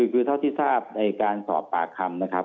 คือเท่าที่ทราบในการสอบปากคำนะครับ